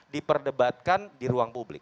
diperdebatkan di ruang publik